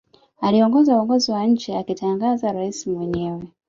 Aliongoza uongozi wa nchi akitangaza rais mwenyewe